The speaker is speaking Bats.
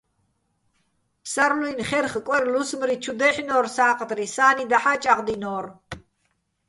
ფსარლუ́ჲნი̆ ხერხ-კვერ-ლუსმრი ჩუ დაჲჰ̦ნო́რ სა́ყდრი, სა́ნი დაჰ̦ა́ ჭაღდინო́რ.